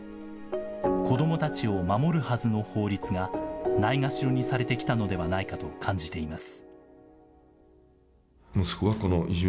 子どもたちを守るはずの法律が、ないがしろにされてきたのではないかと感じています。